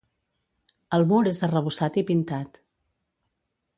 El mur és arrebossat i pintat.